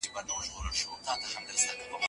رنسانس وروسته راځي.